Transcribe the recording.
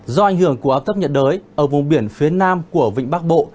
do ảnh hưởng của áp thấp nhật đới ở vùng biển phía nam của vĩnh bắc bộ